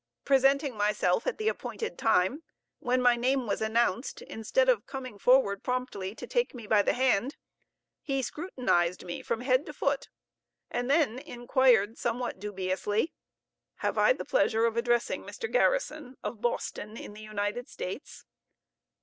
Presenting myself at the appointed time, when my name was announced, instead of coming forward promptly to take me by the hand, he scrutinized me from head to foot, and then inquired, somewhat dubiously, "Have I the pleasure of addressing Mr. Garrison, of Boston, in the United States?"